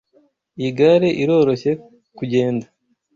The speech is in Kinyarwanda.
Iyi gare iroroshye kugenda.